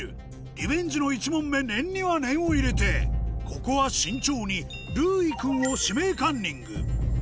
リベンジの１問目念には念を入れてここは慎重にるうい君を「指名カンニング」